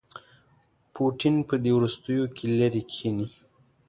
پوټین په دې وروستیوکې لیرې کښيني.